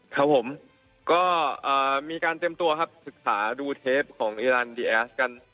ครับผมก็มีการเตรียมตัวครับศึกษาดูเทปของอีรันดีแอสกัน